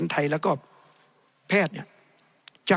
ในทางปฏิบัติมันไม่ได้